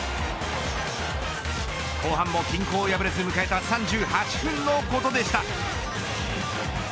後半も均衡を破れて迎えた３８分のことでした。